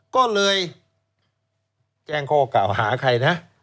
ก็เลยแจ้งข้อกล่าวหาใครนะ